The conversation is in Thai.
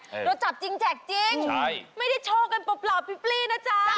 รถจับจริงจริงไม่ได้โชว์กันเปล่าปลี่นะจ๊ะ